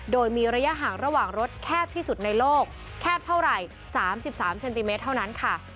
โดยมีระยะห่างระหว่างรถแคบที่สุดในโลกแคบเท่าไหร่๓๓เซนติเมตรเท่านั้นค่ะ